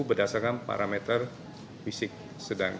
berdasarkan parameter fisik sedang